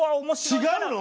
違うの？